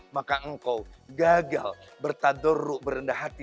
maka engkau gagal bertadoru berendah hati